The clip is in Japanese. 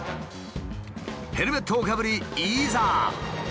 ヘルメットをかぶりいざ！